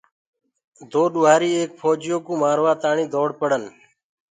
دو ڏوهآريٚ ايڪ ڦوجِيو ڪوُ مآروآ تآڻيٚ دوڙ پڙَن